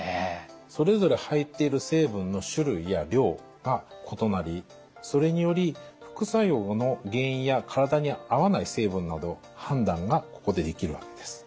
それぞれ入っている成分の種類や量が異なりそれにより副作用の原因や体に合わない成分など判断がここでできるわけです。